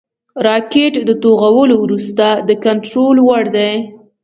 راکټ د توغولو وروسته د کنټرول وړ دی